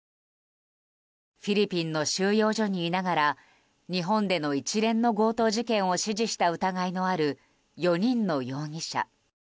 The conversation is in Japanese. フィリピンの収容所にいながら日本での一連の強盗事件を指示した疑いのある４人の容疑者。